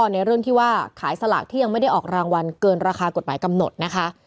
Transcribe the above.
ในเรื่องที่ว่าขายสลากที่ยังไม่ได้ออกรางวัลเกินราคากฎหมายกำหนดนะคะ